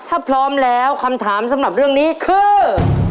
ถ้าพร้อมแล้วคำถามสำหรับเรื่องนี้คือ